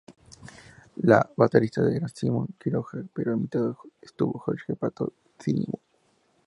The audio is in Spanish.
El baterista era Simón Quiroga, pero invitado estuvo Jorge "Paton" Cimino